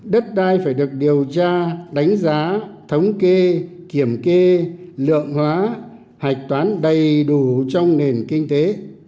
đất đai phải được điều tra đánh giá thống kê kiểm kê lượng hóa hạch toán đầy đủ trong nền kinh tế